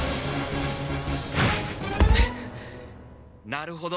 なるほど。